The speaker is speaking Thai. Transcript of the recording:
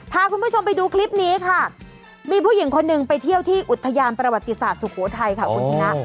พาคุณผู้ชมไปดูคลิปนี้ค่ะมีผู้หญิงคนหนึ่งไปเที่ยวที่อุทยานประวัติศาสตร์สุโขทัยค่ะคุณชนะ